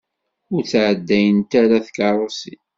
Ur ttɛeddayent ara tkeṛṛusin.